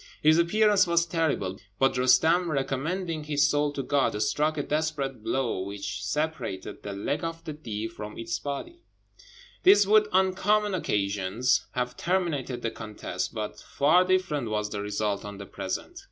His appearance was terrible; but Roostem, recommending his soul to God, struck a desperate blow, which separated the leg of the Deev from his body. This would on common occasions have terminated the contest, but far different was the result on the present.